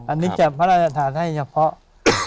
อันนี้จะพระราชทานให้เฉพาะ